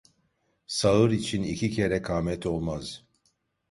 Sağır için iki kere kamet olmaz.